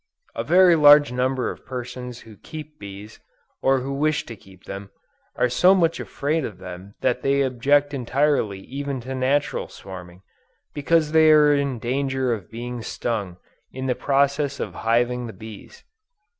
A very large number of persons who keep bees, or who wish to keep them, are so much afraid of them that they object entirely even to natural swarming, because they are in danger of being stung in the process of hiving the bees.